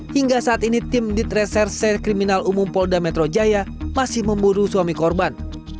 hingga saat ini tim ditreserse kriminal umum polda metro jaya masih memburu suami korban